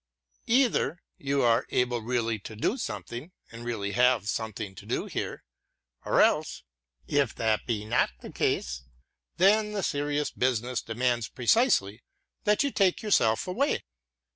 Either you are able really to do something, and really have something to do here; or else, if that be not the case, then the serious business demands precisely that you take yourself away.